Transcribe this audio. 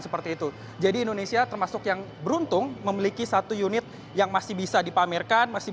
seperti itu jadi indonesia termasuk yang beruntung memiliki satu unit yang masih bisa dipamerkan masih